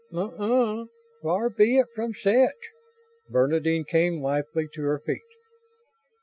Uh uh, far be it from such." Bernadine came lithely to her feet.